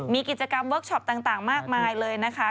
มีกิจกรรมเวิร์คชอปต่างมากมายเลยนะคะ